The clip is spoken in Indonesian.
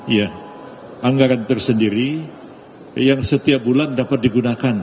iya anggaran tersendiri yang setiap bulan dapat digunakan